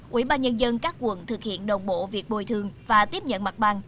quỹ ban nhân dân các quận thực hiện đồng bộ việc bồi thương và tiếp nhận mặt bằng